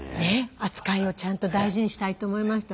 扱いをちゃんと大事にしたいと思いました。